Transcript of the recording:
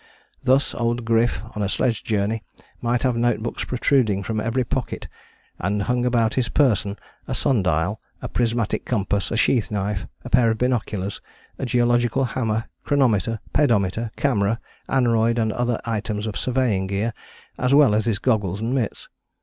Thus Old Griff on a sledge journey might have notebooks protruding from every pocket, and hung about his person, a sundial, a prismatic compass, a sheath knife, a pair of binoculars, a geological hammer, chronometer, pedometer, camera, aneroid and other items of surveying gear, as well as his goggles and mitts.